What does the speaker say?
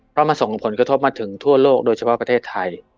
เพราะมันส่งผลกระทบมาถึงทั่วโลกโดยเฉพาะประเทศไทย